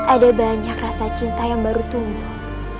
ada banyak rasa cinta yang baru tumbuh